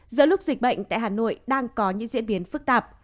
giữa lúc dịch bệnh tại hà nội đang có những diễn biến phức tạp